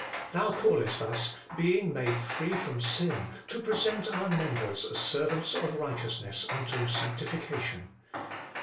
Thou callest us, 'being made free from sin, to present our members as servants of right eousness unto sanctification.'